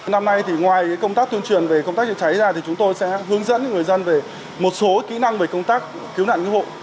năm nay thì ngoài công tác tuyên truyền về công tác chữa cháy ra thì chúng tôi sẽ hướng dẫn người dân về một số kỹ năng về công tác cứu nạn cứu hộ